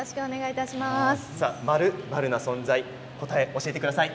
○○な存在答えを教えてください。